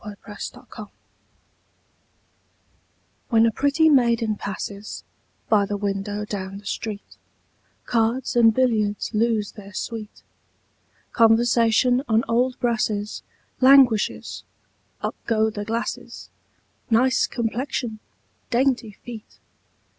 Y Z At the Club When a pretty maiden passes By the window down the street, Cards and billiards lose their sweet; Conversation on old brasses Languishes; up go the glasses: "Nice complexion!" "Dainty feet!"